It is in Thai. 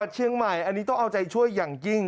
เชียงใหม่อันนี้ต้องเอาใจช่วยอย่างยิ่ง